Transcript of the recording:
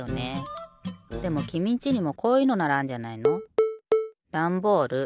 でもきみんちにもこういうのならあんじゃないの？